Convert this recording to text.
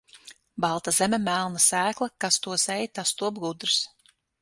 Balta zeme, melna sēkla, kas to sēj, tas top gudrs.